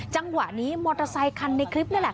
จังหวะนี้มอเตอร์ไซคันในคลิปนั่นแหละ